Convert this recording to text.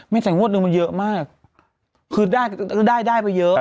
แม่แสงพ่อดดึงมันเยอะมากคือได้ประเยอะ